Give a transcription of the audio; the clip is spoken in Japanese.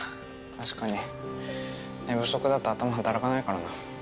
確かに寝不足だと頭働かないからな。